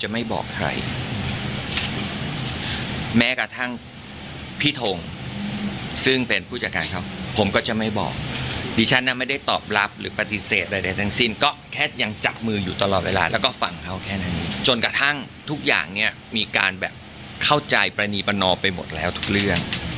หักมืออยู่ตลอดเวลาแล้วก็ฟังเขาแค่นั้นจนกระทั่งทุกอย่างเนี่ยมีการแบบเข้าใจประณีประนอมไปหมดแล้วทุกเรื่อง